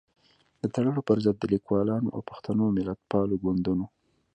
د تړلو پر ضد د ليکوالانو او پښتنو ملتپالو ګوندونو